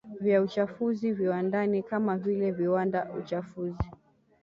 vya uchafuzi viwandani kama vile viwanda Uchafuzi